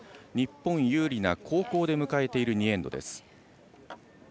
日本有利な後攻で迎えている２エンド。